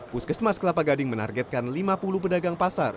puskesmas kelapa gading menargetkan lima puluh pedagang pasar